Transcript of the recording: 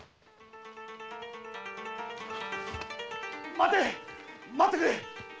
待て待ってくれ！